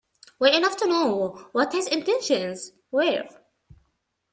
Well enough to know what his intentions were?